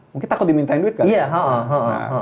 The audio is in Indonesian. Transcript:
mungkin takut dimintain duit gak sih